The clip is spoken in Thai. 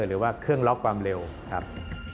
หรือว่าเครื่องล็อกความเร็วครับ